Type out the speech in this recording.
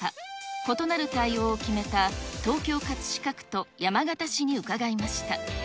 異なる対応を決めた東京・葛飾区と山県市に伺いました。